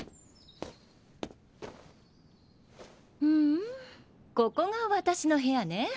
ふんここが私の部屋ね